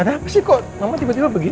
ada apa sih kok mama tiba tiba begini